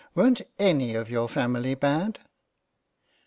Weren't any of your family bad?